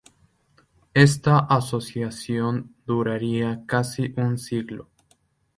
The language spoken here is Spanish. Esta asociación duraría casi un siglo.